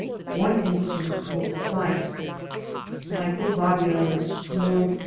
One instance will sufHce. Michael Babiarz (Warrant No.